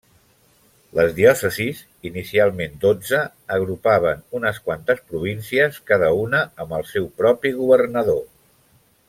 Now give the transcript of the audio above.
Les diòcesis, inicialment dotze, agrupaven unes quantes províncies, cada una amb el seu propi governador.